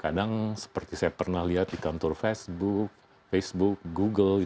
kadang seperti saya pernah lihat di kantor facebook facebook google